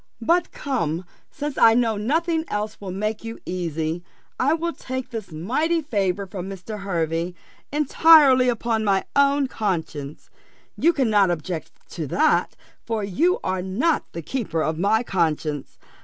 But come, since I know nothing else will make you easy, I will take this mighty favour from Mr. Hervey entirely upon my own conscience: you cannot object to that, for you are not the keeper of my conscience.